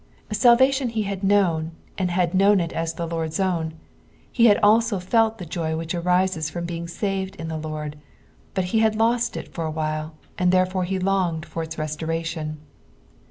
'* Salvation he had known, and had knowD it as the Lord's own ; he hud also felt the joy which arises from being saved in the Lord, but lie had lost it for a while, and therefore he longed for its restoration.